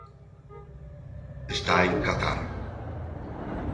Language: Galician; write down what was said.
Está en Qatar.